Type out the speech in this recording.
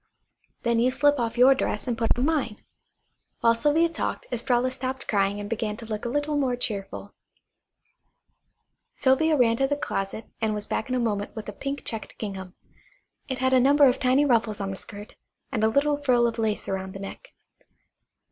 Then you slip off your dress and put on mine." While Sylvia talked Estralla stopped crying and began to look a little more cheerful. Sylvia ran to the closet and was back in a moment with a pink checked gingham. It had a number of tiny ruffles on the skirt, and a little frill of lace around the neck.